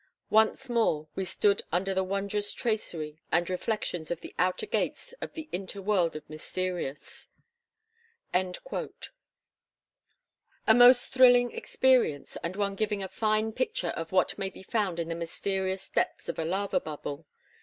Once more we stood under the wondrous tracery and reflections of the outer gates of the inter world of mysterious." A most thrilling experience, and one giving a fine picture of what may be found in the mysterious depths of a lava bubble.